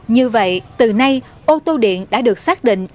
như vậy từ nay ô tô điện đã được xác định